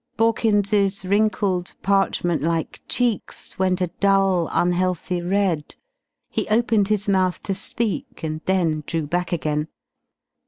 Borkins's wrinkled, parchment like cheeks went a dull, unhealthy red. He opened his mouth to speak and then drew back again.